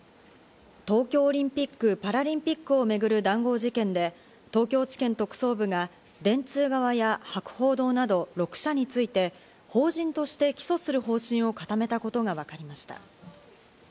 東京オリンピック・パラリンピックを巡る談合事件で、東京地検特捜部が電通側や博報堂など６社について法人として起訴する方針を固めたことがわかりました。